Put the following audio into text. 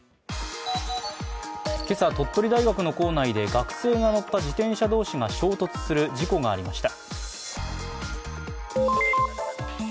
今朝、鳥取大学の構内で学生が乗った自転車同士が衝突する事故がありました。